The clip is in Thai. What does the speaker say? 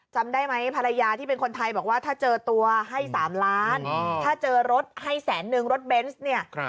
จำได้ไหมภรรยาที่เป็นคนไทยบอกว่าถ้าเจอตัวให้๓ล้านถ้าเจอรถให้แสนนึงรถเบนส์เนี่ย